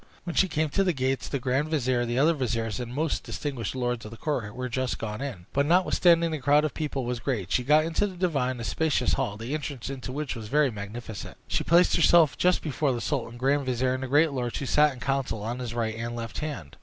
When she came to the gates, the grand vizier, the other viziers, and most distinguished lords of the court were just gone in; but notwithstanding the crowd of people was great, she got into the divan, a spacious hall, the entrance into which was very magnificent. She placed herself just before the sultan, grand vizier, and the great lords, who sat in council on his right and left hand.